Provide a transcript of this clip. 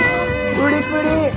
プリプリ！